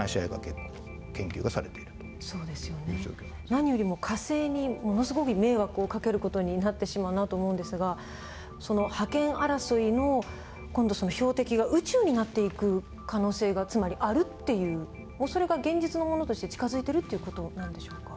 何よりも火星にものすごい迷惑をかける事になってしまうなと思うんですがその覇権争いの今度その標的が宇宙になっていく可能性がつまりあるっていうもうそれが現実のものとして近づいているっていう事なんでしょうか？